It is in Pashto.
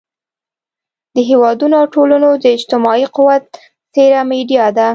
د هېوادونو او ټولنو د اجتماعي قوت څېره میډیا ده.